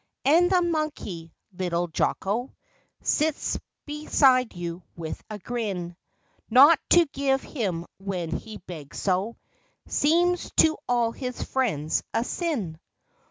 And the monkey, little "Jocko," Sits beside you with a grin; Not to give him when he begs so Seems to all his friends a sin.